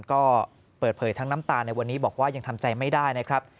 ก็เปิดเผยทั้งน้ำตาในวันนี้บอกว่ายังทำใจไม่ได้นะครับ